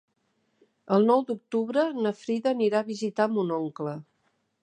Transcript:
El nou d'octubre na Frida anirà a visitar mon oncle.